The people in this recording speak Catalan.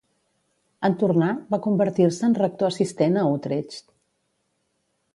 En tornar, va convertir-se en rector assistent a Utrecht.